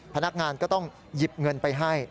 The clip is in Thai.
พนักงานก็ต้องหยิบเงินไปให้